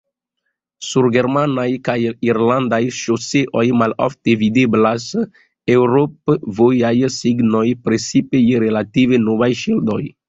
Sur germanaj kaj irlandaj ŝoseoj malofte videblas eŭrop-vojaj signoj, precipe je relative novaj ŝildoj.